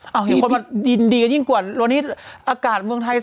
เห็นคนว่าดินดีกว่าวันนี้อากาศเมืองไทย